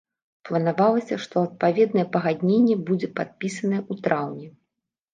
Планавалася, што адпаведнае пагадненне будзе падпісанае ў траўні.